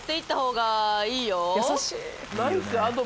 優しい。